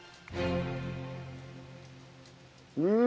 うん！